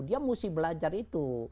dia mesti belajar itu